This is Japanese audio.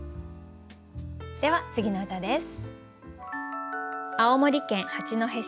では次の歌です。